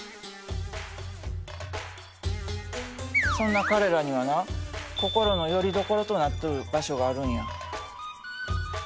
そんな彼らにはな心のよりどころとなっとる場所があるんや。